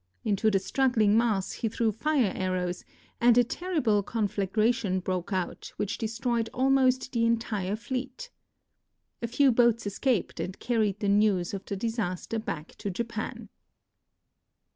Into the struggling mass he threw fire arrows, and a terrible conflagration broke out, which destroyed almost the entire fleet. A few boats escaped and carried the news of the disaster back to Japan.